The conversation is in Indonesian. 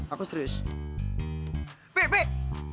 aku serius pih pih